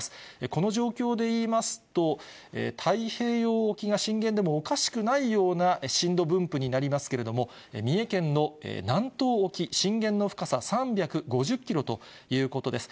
この状況で言いますと、太平洋沖が震源でもおかしくないような震度分布になりますけれども、三重県の南東沖、震源の深さ３５０キロということです。